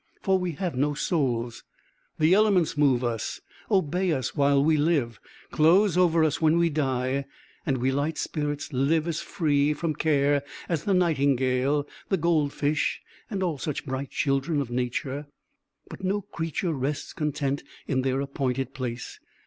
For we have no souls; the elements move us, obey us while we live, close over us when we die; and we light spirits live as free from care as the nightingale, the gold fish, and all such bright children of Nature. But no creatures rest content in their appointed place.